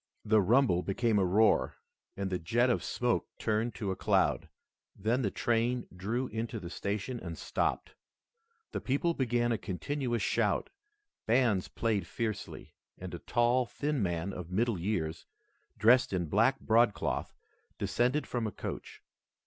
The rumble became a roar, and the jet of smoke turned to a cloud. Then the train drew into the station and stopped. The people began a continuous shout, bands played fiercely, and a tall, thin man of middle years, dressed in black broadcloth, descended from a coach.